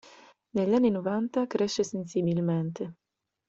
Negli anni Novanta, cresce sensibilmente.